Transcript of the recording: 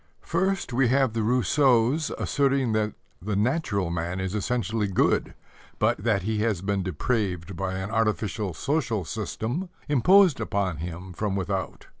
First, we have the Rousseaus asserting that the natural man is essentially good, but that he has been depraved by an artificial social system imposed on him from without.